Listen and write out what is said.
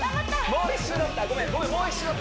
もう１周だったごめん